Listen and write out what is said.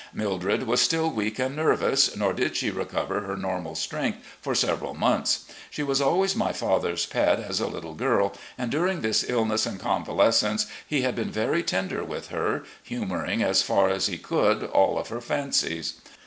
Mildred was still weak and nervous, nor did she recover her normal strength for several months. She was always my father's pet as a little girl, and during this illness and convalescence he had been very tender with her, h\unouring as far as he could all of her fancies.